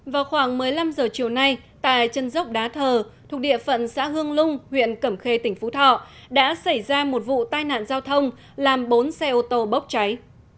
vào khoảng một mươi năm h chiều nay tại chân dốc đá thờ thuộc địa phận xã hương lung huyện cẩm khê tỉnh phú thọ đã xảy ra một vụ tai nạn giao thông làm bốn xe ô tô bốc cháy